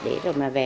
để rồi mà về